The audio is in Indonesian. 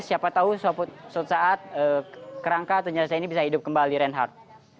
siapa tahu suatu saat kerangka atau jenazah ini bisa hidup kembali reinhardt